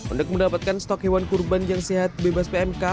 untuk mendapatkan stok hewan kurban yang sehat bebas pmk